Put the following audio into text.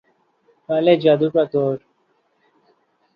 کالے جادو کا توڑ